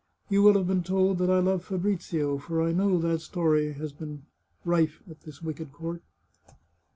You will have been told that I love Fabrizio, for I know that story has been rife at this wicked court."